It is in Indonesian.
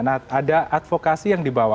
nah ada advokasi yang dibawa